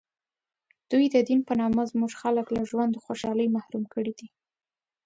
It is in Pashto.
دوی د دین په نامه زموږ خلک له ژوند و خوشحالۍ محروم کړي دي.